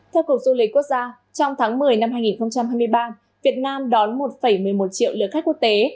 theo cục du lịch quốc gia trong tháng một mươi năm hai nghìn hai mươi ba việt nam đón một một mươi một triệu lượt khách quốc tế